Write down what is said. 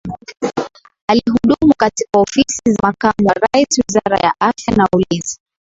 Alihudumu katika Ofisi ya Makamu wa Rais Wizara ya Afya na Ulinzi